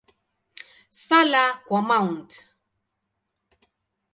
Sala kwa Mt.